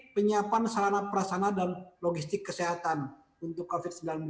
penyiapan sarana perasana dan logistik kesehatan untuk covid sembilan belas